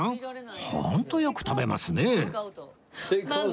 ホントよく食べますね